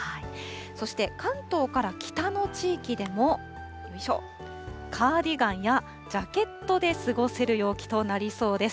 そして、関東から北の地域でも、よいしょ、カーディガンや、ジャケットで過ごせる陽気となりそうです。